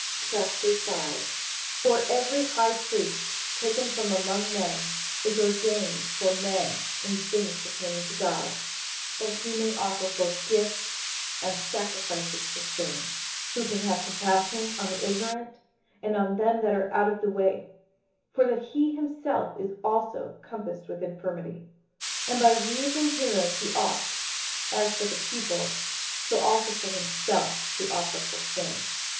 58:005:001 For every high priest taken from among men is ordained for men in things pertaining to God, that he may offer both gifts and sacrifices for sins: 58:005:002 Who can have compassion on the ignorant, and on them that are out of the way; for that he himself also is compassed with infirmity. 58:005:003 And by reason hereof he ought, as for the people, so also for himself, to offer for sins.